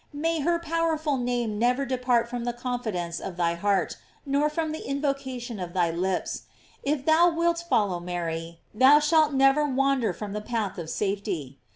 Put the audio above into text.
May her powerful name never depart from the confidence of thy heart, nor from the invocation of thy lips. If thou wilt follow Mary, thou shalt never wander from the path of safety.